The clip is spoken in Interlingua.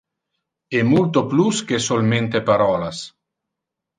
E multo plus que solmente parolas.